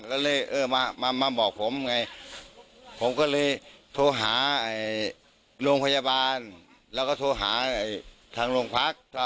ก็เลยเออมาบอกผมไงผมก็เลยโทรหาโรงพยาบาลแล้วก็โทรหาทางโรงพัก